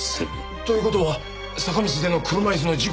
という事は坂道での車椅子の事故は。